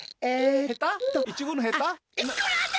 へた？